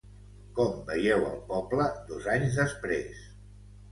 Com veieu el poble dos anys després?